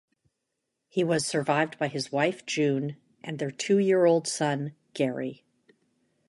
He was survived by his wife, June, and their two-year-old son, Gary.